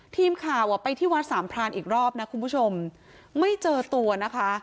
ทีมข่าวอ่ะไปที่วัดสามพรานอีกรอบนะคุณผู้ชมไม่เจอตัวนะคะ